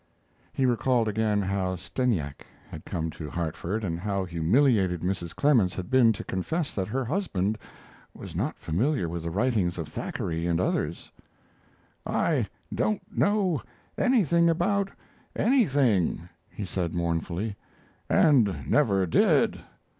He recalled again how Stepniak had come to Hartford, and how humiliated Mrs. Clemens had been to confess that her husband was not familiar with the writings of Thackeray and others. "I don't know anything about anything," he said, mournfully, "and never did.